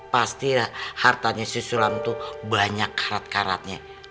pasti ya hartanya si sulam tuh banyak kharat kharatnya